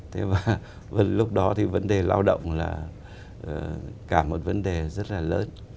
thế và lúc đó thì vấn đề lao động là cả một vấn đề rất là lớn